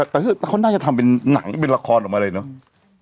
แต่เขาน่าจะทำเป็นหนังเป็นละครออกมาเลยเนอะ